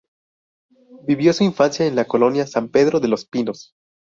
Vivió su infancia en la Colonia San Pedro de los Pinos.